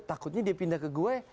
takutnya dia pindah ke gue